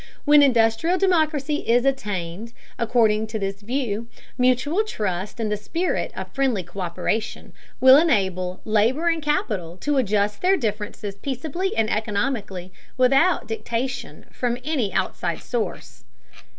When industrial democracy is attained, according to this view, mutual trust and the spirit of friendly co÷peration will enable labor and capital to adjust their differences peaceably and economically, without dictation from any outside source.